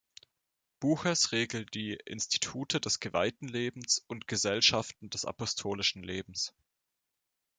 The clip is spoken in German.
Buches regelt die "Institute des geweihten Lebens und Gesellschaften des apostolischen Lebens".